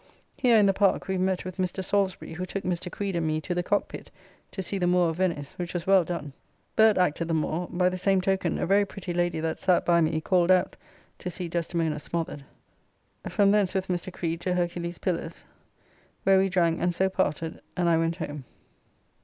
Here, in the Park, we met with Mr. Salisbury, who took Mr. Creed and me to the Cockpitt to see "The Moore of Venice," which was well done. Burt acted the Moore; 'by the same token, a very pretty lady that sat by me, called out, to see Desdemona smothered. From thence with Mr. Creed to Hercules Pillars, where we drank and so parted, and I went home.